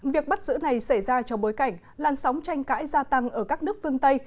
việc bắt giữ này xảy ra trong bối cảnh làn sóng tranh cãi gia tăng ở các nước phương tây